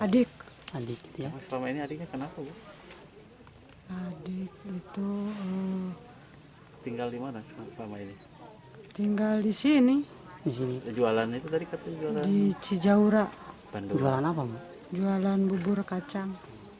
di cijawura jualan bubur kacang